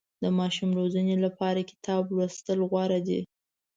د ماشوم روزنې لپاره کتاب لوستل غوره دي.